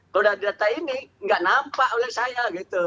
kalau data ini tidak nampak oleh saya